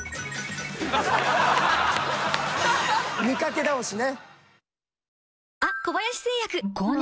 見かけ倒しね！